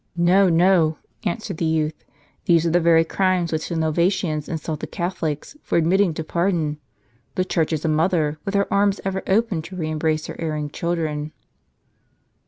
ISTo, no," answered the youth; "these are the very crimes, which the Novatians insult the Catholics for admitting to pardon. The Church is a mother, with her arms ever open to re embrace her erring children."